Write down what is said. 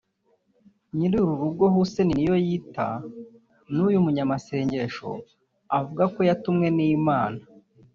Nyir'uru rugo Hussein Niyoyita n'uyu munyamasengesho uvuga ko yatumwe n'Imana